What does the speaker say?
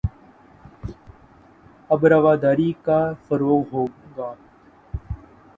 اب رواداری کا فروغ ہو گا